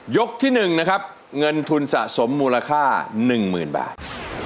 ที่๑นะครับเงินทุนสะสมมูลค่า๑๐๐๐บาท